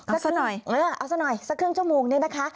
สักหน่อยเออเอาซะหน่อยสักครึ่งชั่วโมงเนี่ยนะคะ